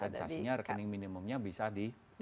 dispensasinya rekening minimumnya bisa dikurangi